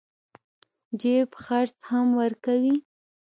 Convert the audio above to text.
جيب خرڅ هم ورکوي.